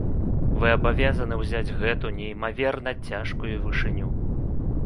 Вы абавязаны ўзяць гэту неймаверна цяжкую вышыню.